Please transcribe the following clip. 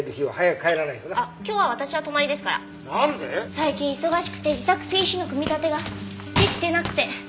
最近忙しくて自作ＰＣの組み立てが出来てなくて。